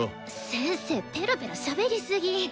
先生ペラぺラしゃべりすぎ。